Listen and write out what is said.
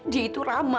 dia itu rama